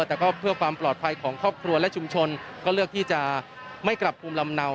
แต่ก็เพื่อความปลอดภัยของครอบครัวและชุมชนก็เลือกที่จะไม่กลับภูมิลำเนา